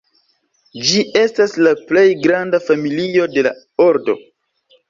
Ĝi estas la plej granda familio de la ordo.